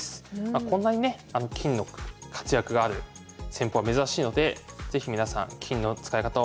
こんなにね金の活躍がある戦法は珍しいので是非皆さん金の使い方を学んでいってください。